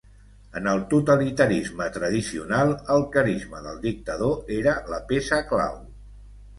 En el totalitarisme tradicional el carisma del dictador era la peça clau.